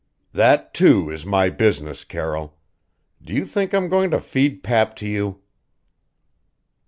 "That, too, is my business, Carroll. Do you think I'm going to feed pap to you?"